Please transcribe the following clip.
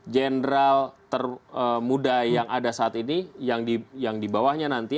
jenderal termuda yang ada saat ini yang di bawahnya nanti